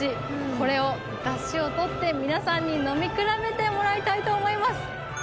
これをだしを取って皆さんに飲み比べてもらいたいと思います！